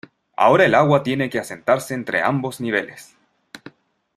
ahora el agua tiene que asentarse entre ambos niveles.